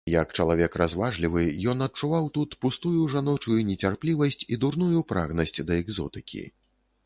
Як чалавек разважлівы, ён адчуваў тут пустую жаночую нецярплівасць і дурную прагнасць да экзотыкі.